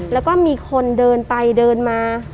แล้วก็มีคนเดินไปเดินมา